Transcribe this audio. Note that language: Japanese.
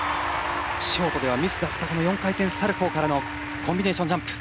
ショートではミスだったこの４回転サルコーからのコンビネーションジャンプ。